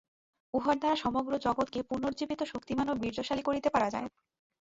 উহার দ্বারা সমগ্র জগৎকে পুনরুজ্জীবিত, শক্তিমান ও বীর্যশালী করিতে পারা যায়।